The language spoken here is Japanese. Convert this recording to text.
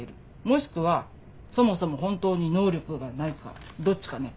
もしくはそもそも本当に能力がないかどっちかね。